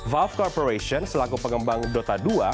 volf corporation selaku pengembang dota dua